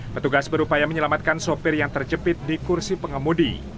petugas berupaya menyelamatkan sopir yang terjepit di kursi pengemudi